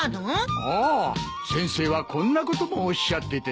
ああ先生はこんなこともおっしゃっててな。